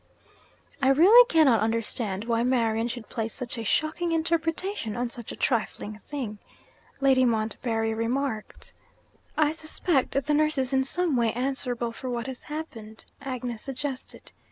'I really cannot understand why Marian should place such a shocking interpretation on such a trifling thing,' Lady Montbarry remarked. 'I suspect the nurse is in some way answerable for what has happened,' Agnes suggested.